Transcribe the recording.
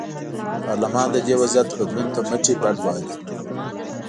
پارلمان د دې وضعیت بدلون ته مټې بډ وهلې.